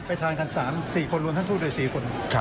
ไปทานกัน๓๔คนรวมทั้งทุกใด๔คน